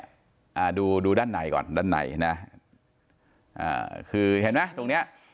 อ่าดูดูด้านในก่อนด้านในนะอ่าคือเห็นไหมตรงเนี้ย